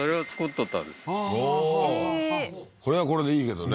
おおーこれはこれでいいけどね